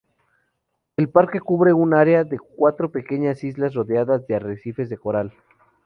El parque cubre un área de cuatro pequeñas islas rodeadas de arrecifes de coral.